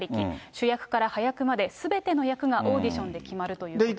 主役から端役まで、すべての役がオーディションで決まるということです。